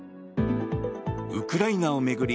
ウクライナを巡り